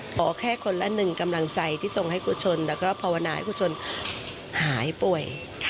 ขอแค่คนละหนึ่งกำลังใจที่ทรงให้ครูชนแล้วก็ภาวนาให้ผู้ชนหายป่วย